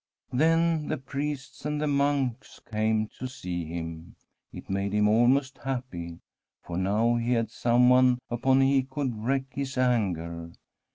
Then the priests and the monks came to see him. It made him almost happy, for now he had someone upon whom he could wreak his anger.